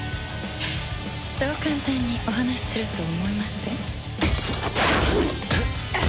そう簡単にお話しすると思いまして？